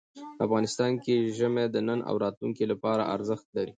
افغانستان کې ژمی د نن او راتلونکي لپاره ارزښت لري.